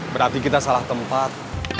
berarti kita salah tempat